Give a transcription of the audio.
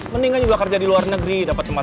mendingan juga kerja di luar negeri dapat teman